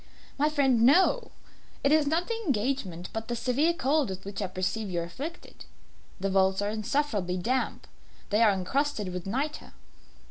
"My friend, no. It is not the engagement, but the severe cold with which I perceive you are afflicted. The vaults are insufferably damp. They are encrusted with nitre."